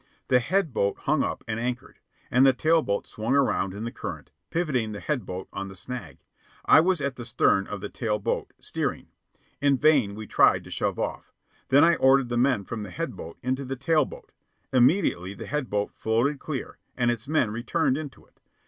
The head boat hung up and anchored, and the tail boat swung around in the current, pivoting the head boat on the snag. I was at the stern of the tail boat, steering. In vain we tried to shove off. Then I ordered the men from the head boat into the tail boat. Immediately the head boat floated clear, and its men returned into it.